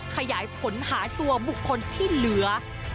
ขยายผลหาตัวบุคคลที่เหลือ